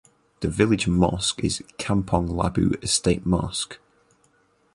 The village mosque is Kampong Labu Estate Mosque.